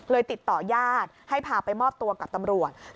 ติดต่อญาติให้พาไปมอบตัวกับตำรวจ